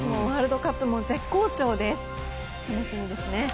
ワールドカップも絶好調です。